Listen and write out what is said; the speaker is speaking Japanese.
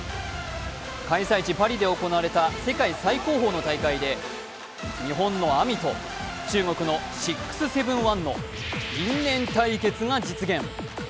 開催地・パリで行われた世界最高峰の大会で日本のＡＭＩと中国の６７１の因縁対決が実現。